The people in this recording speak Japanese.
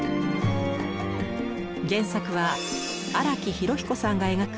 原作は荒木飛呂彦さんが描く